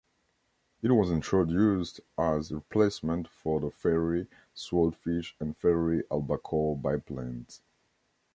It was introduced as a replacement for the Fairey Swordfish and Fairey Albacore biplanes.